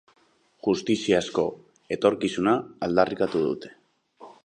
Justiziazko etorkizuna aldarrikatu dute.